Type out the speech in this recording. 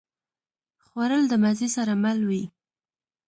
خوړل د مزې سره مل وي